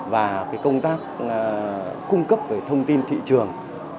và công tác cung cấp về thông tin thị trường